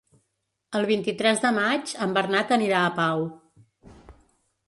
El vint-i-tres de maig en Bernat anirà a Pau.